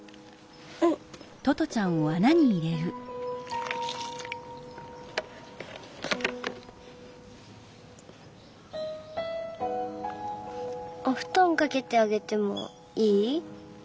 うん。おふとんかけてあげてもいい？